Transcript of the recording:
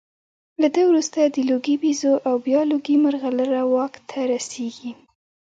له ده وروسته د لوګي بیزو او بیا لوګي مرغلره واک ته رسېږي